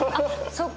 そっか。